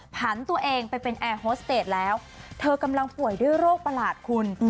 ผันตัวเองไปเป็นแอร์โฮสเตจแล้วเธอกำลังป่วยด้วยโรคประหลาดคุณ